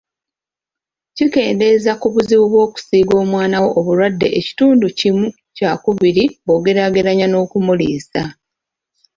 Kikendeeza ku buzibu bw'okusiiga omwana wo obulwadde ekitundu kimu kyakubiri bw'ogeraageranya n'okumuliisa.